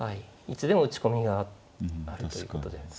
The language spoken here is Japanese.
いつでも打ち込みがあるということで。